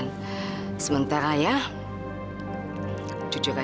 terlalu banyak yang saya harus pikirkan